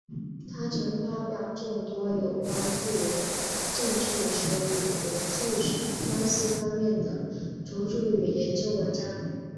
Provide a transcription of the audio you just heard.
他曾发表众多有关地缘政治学与国际关系方面的着作与研究文章。